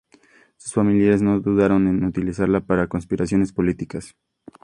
Sus familiares no dudaron en utilizarla para conspiraciones políticas.